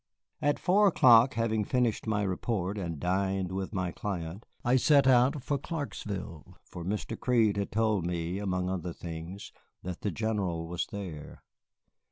At four o'clock, having finished my report and dined with my client, I set out for Clarksville, for Mr. Crede had told me, among other things, that the General was there.